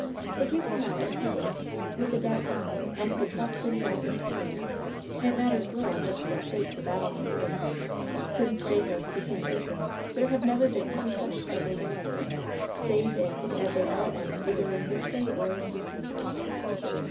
If you come out as he did, with the doubt gone and the trust in God victorious, it matters little just what shape the battle may take. Since Jacob became Israel there have never been two such struggles alike, save in that they all end either in victory or in defeat.